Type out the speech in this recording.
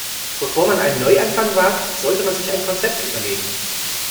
Bevor man einen Neuanfang wagt, sollte man sich ein Konzept überlegen.